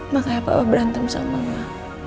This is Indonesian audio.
makanya papa berantem sama mama